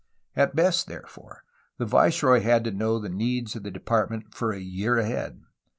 At best, therefore, the viceroy had to know the needs of the Department for a year ahead.